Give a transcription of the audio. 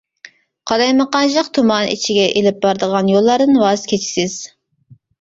قالايمىقانچىلىق تۇمانى ئىچىگە ئېلىپ بارىدىغان يوللاردىن ۋاز كېچىسىز.